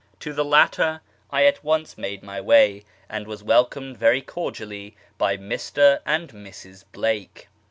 To the latter I at once made my way, and was welcomed very cordially by Mr. and Mrs. Blake.